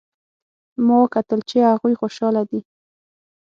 ما وکتل چې هغوی خوشحاله دي